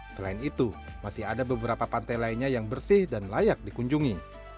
selain itu masih ada beberapa pantai lainnya yang bersih dan layak dikunjungi